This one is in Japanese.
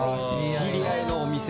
知り合いのお店？